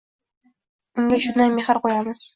Unga shunday mehr qo‘yamiz.